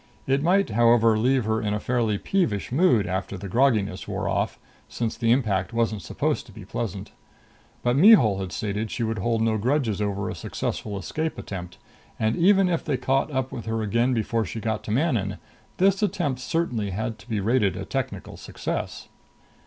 It might, however, leave her in a fairly peevish mood after the grogginess wore off, since the impact wasn't supposed to be pleasant. But Mihul had stated she would hold no grudges over a successful escape attempt; and even if they caught up with her again before she got to Manon, this attempt certainly had to be rated a technical success.